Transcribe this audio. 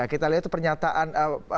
kita lihat itu pernyataan